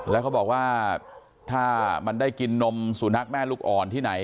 แล้วเขาบอกว่าถ้ามันได้กินนมสุนัขแม่ลูกอ่อนที่ไหน